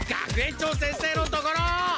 学園長先生のところ！